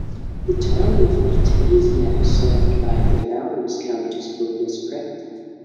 The Town of Artesia is served by the Lowndes County School District.